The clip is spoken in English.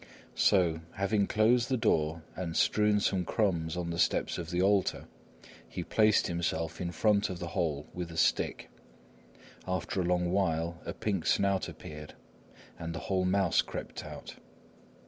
So, having closed the door and strewn some crumbs on the steps of the altar, he placed himself in front of the hole with a stick. After a long while a pink snout appeared, and then whole mouse crept out.